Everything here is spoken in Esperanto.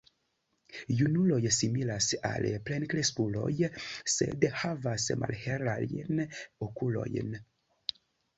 Junuloj similas al plenkreskuloj, sed havas malhelajn okulojn.